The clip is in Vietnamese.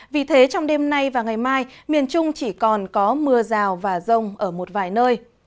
vì thế trong đêm nay và ngày mai miền trung chỉ còn có mưa rào và rông ở một vài nơi